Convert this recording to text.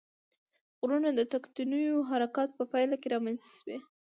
غرونه د تکتونیکي حرکاتو په پایله کې رامنځته شوي.